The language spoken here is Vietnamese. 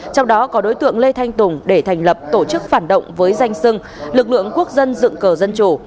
trong đó có đối tượng lê thanh tùng để thành lập tổ chức phản động với danh sưng lực lượng quốc dân dựng cờ dân chủ